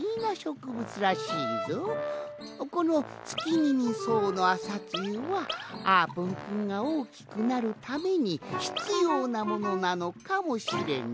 このツキミミそうのあさつゆはあーぷんくんがおおきくなるためにひつようなものなのかもしれんのう。